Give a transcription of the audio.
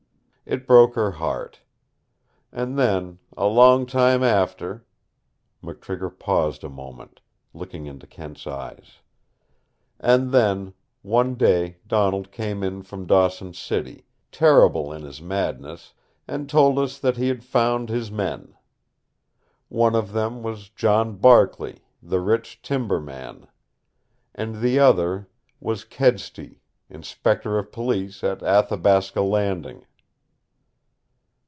It broke her heart. And then a long time after " McTrigger paused a moment, looking into Kent's eyes. "And then one day Donald came in from Dawson City, terrible in his madness, and told us that he had found his men. One of them was John Barkley, the rich timber man, and the other was Kedsty, Inspector of Police at Athabasca Landing."